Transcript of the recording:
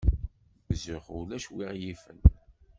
Zzux ulac wi ɣ-yifen.